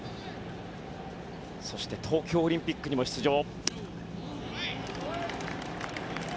そして、東京オリンピックにも出場。